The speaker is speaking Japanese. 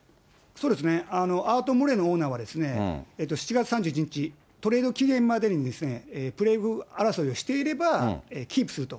そうですね、アート・モレノオーナーは、７月３１日、トレード期限までにプレーオフ争いをしていれば、キープすると。